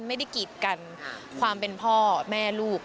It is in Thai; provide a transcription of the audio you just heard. ไม่ได้กีดกันความเป็นพ่อแม่ลูก